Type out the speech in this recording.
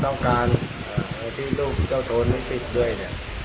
ต้องการที่ลูกเจ้าโทนไม่ติดด้วยเนี่ย